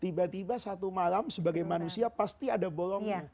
tiba tiba satu malam sebagai manusia pasti ada bolongnya